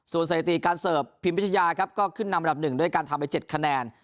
ส่วนสถิติการเสิร์ฟพิมพิชยาครับก็ขึ้นนำระดับ๑ด้วยการทำไป๗คะแนน